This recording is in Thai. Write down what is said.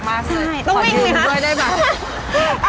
ลงเอกมายังไงค่ะ